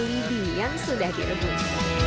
mie libin yang sudah direbus